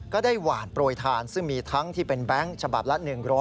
ก็ได้หวานโปรยทานซึ่งมีทั้งที่เป็นแบงค์ฉบับละ๑๐๐